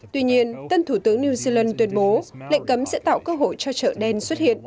tuy nhiên tân thủ tướng new zealand tuyên bố lệnh cấm sẽ tạo cơ hội cho chợ đen xuất hiện